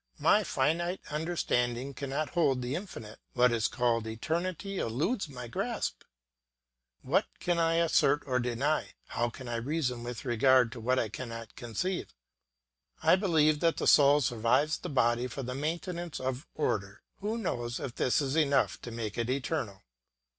My finite understanding cannot hold the infinite; what is called eternity eludes my grasp. What can I assert or deny, how can I reason with regard to what I cannot conceive? I believe that the soul survives the body for the maintenance of order; who knows if this is enough to make it eternal?